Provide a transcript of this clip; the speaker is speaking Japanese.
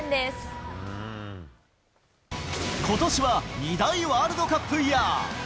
ことしは２大ワールドカップイヤー。